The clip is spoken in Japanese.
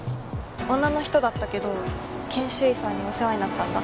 女の人だったけど研修医さんにお世話になったんだ。